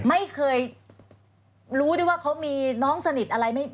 ไม่เคยรู้ได้ว่าเค้ามีน้องสนิทอะไรไม่รู้